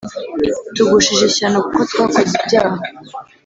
Tugushije ishyano kuko twakoze ibyaha!